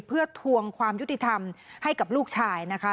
เพื่อทวงความยุติธรรมให้กับลูกชายนะคะ